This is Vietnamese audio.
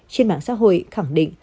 trên mạng xã hội khẳng định